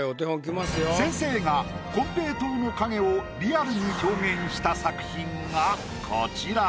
先生が金平糖の影をリアルに表現した作品がこちら。